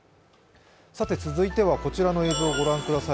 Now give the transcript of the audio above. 続いてはこちらの映像をご覧ください。